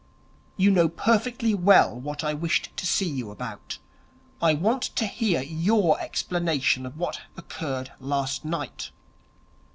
'You know perfectly well what I wished to see you about. I want to hear your explanation of what occurred last night.'